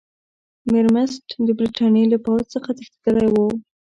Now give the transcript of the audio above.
میرمست د برټانیې له پوځ څخه تښتېدلی وو.